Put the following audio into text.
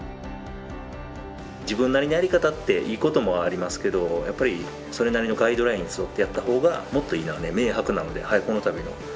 自分なりのやり方っていいこともありますけどやっぱりそれなりのガイドラインに沿ってやった方がもっといいのは明白なのでこの度のこのリニューアル